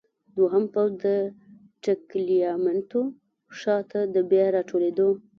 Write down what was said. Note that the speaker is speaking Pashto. دوهم پوځ د ټګلیامنتو شاته د بیا راټولېدو.